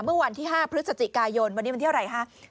เมื่อวันที่๕พฤศจิกายนวันนี้วันที่อะไรคะ